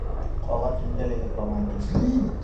Ҡала төндә лә йоҡламай, ти.